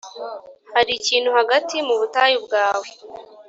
hari ikintu hagati mu butayu bwawe